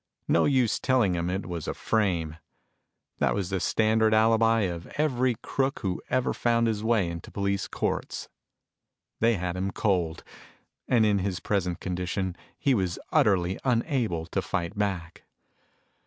No use telling them it was a frame. That was the standard alibi of every crook who ever found his way into police courts. They had him cold, and in his present condition he was utterly unable to fight back.